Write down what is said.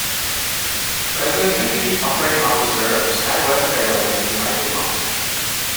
President and Chief Operating Officer of SkyWest Airlines is Michael Thompson.